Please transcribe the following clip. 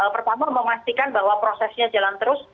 pertama memastikan bahwa prosesnya jalan terus